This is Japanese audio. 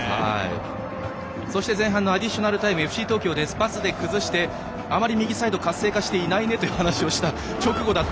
そして前半のアディショナルタイムＦＣ東京、パスで崩してあまり右サイドが活性していないねという話の直後でした。